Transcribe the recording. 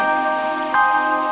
yang jieb asia